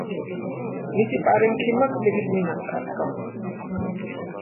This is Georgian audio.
მისი პარენქიმა კბილის მინანქარს ჰგავს.